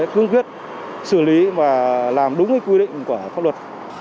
cương quyết xử lý và làm đúng với quy định của pháp luật